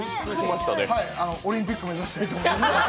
オリンピック目指したいと思います。